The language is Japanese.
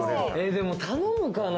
でも頼むかな？